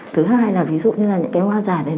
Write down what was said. thứ hai là ví dụ như là những cái hoa giả đấy